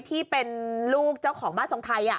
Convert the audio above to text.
ที่เป็นลูกเจ้าของบ้านทรงไทย